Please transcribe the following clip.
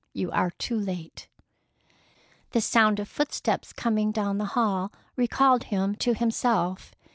You are too late!" The sound of footsteps coming down the hall recalled him to himself.